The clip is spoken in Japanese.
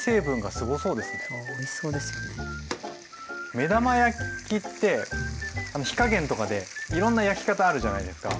目玉焼きって火加減とかでいろんな焼き方あるじゃないですか。